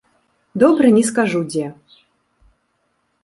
Добра не скажу дзе.